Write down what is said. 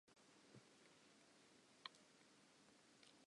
This marked again, Norway participated in the knock-out round.